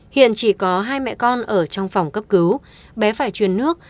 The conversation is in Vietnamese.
hiện chỉ có hai mẹ con ở trong phòng cấp cứu bé phải truyền nước